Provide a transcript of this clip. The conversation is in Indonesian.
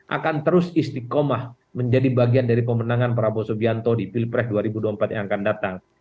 akan terus istiqomah menjadi bagian dari pemenangan prabowo subianto di pilpres dua ribu dua puluh empat yang akan datang